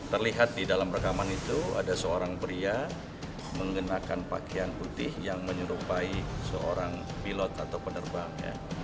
terlihat di dalam rekaman itu ada seorang pria mengenakan pakaian putih yang menyerupai seorang pilot atau penerbang